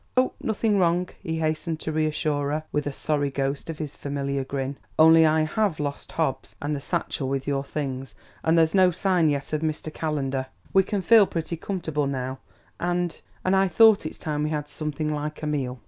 "Oh, nothing wrong," he hastened to reassure her, with a sorry ghost of his familiar grin; "only I have lost Hobbs and the satchel with your things; and there's no sign yet of Mr. Calendar. We can feel pretty comfortable now, and and I thought it time we had something like a meal."